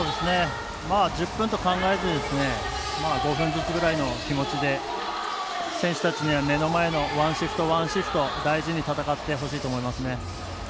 １０分と考えず５分ずつぐらい気持ちで選手たちには目の前のワンシフト、ワンシフトを大事に戦ってほしいと思いますね。